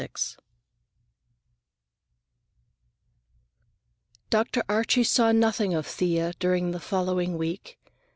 XI Dr. Archie saw nothing of Thea during the following week.